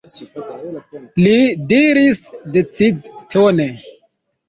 li diris decidtone.